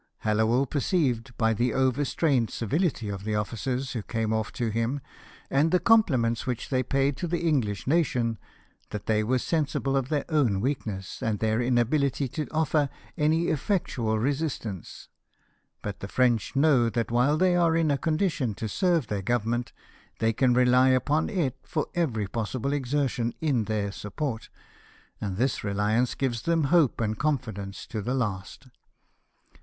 Hallowell perceived, by the overstrained civihty of the officers who came oft' to him, and the compliments which they paid to the English nation, that they were sensible of their own weakness and their inability to offer any effectual resistance ; but the French know that while they are in a condition to serve their Government they can rely upon it for every possible exertion in their support, and this reliance gives them hope and confidence to the last.